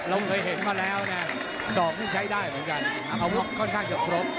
เราเคยเห็นมาแล้วนะศอกนี่ใช้ได้เหมือนกันอาวุธค่อนข้างจะครบ